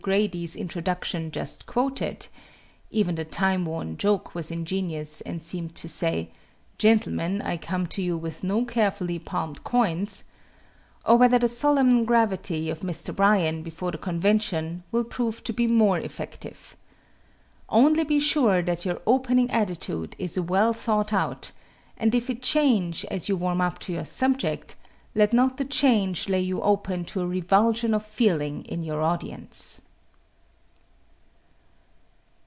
Grady's introduction just quoted (even the time worn joke was ingenuous and seemed to say, "Gentlemen, I come to you with no carefully palmed coins"), or whether the solemn gravity of Mr. Bryan before the Convention will prove to be more effective. Only be sure that your opening attitude is well thought out, and if it change as you warm up to your subject, let not the change lay you open to a revulsion of feeling in your audience.